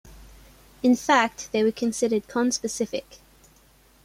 In fact, they were considered conspecific.